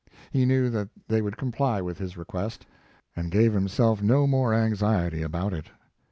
Ke knew that they would comply with his request and gave himself no more anxiety about it.